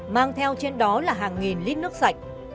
mang theo trên đó là hàng nghìn lít nước sạch